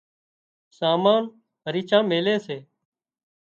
سامان هريڇان ميلي سي